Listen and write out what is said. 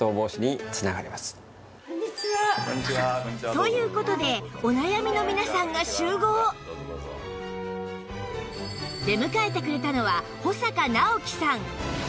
という事で出迎えてくれたのは保阪尚希さん